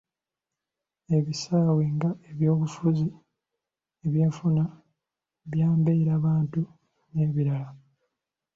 Ebisaawe nga ebyobufuzi, ebyenfuna, bya mbeerabantu n'ebirala.